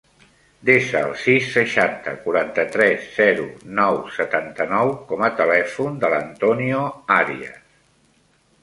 Desa el sis, seixanta, quaranta-tres, zero, nou, setanta-nou com a telèfon de l'Antonio Arias.